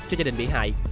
cho gia đình bị hại